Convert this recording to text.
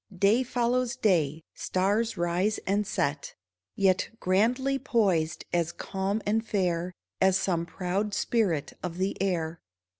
Day follows day, stars rise and set ; Yet, grandly poised, as calm and fair As some proud spirit of the air.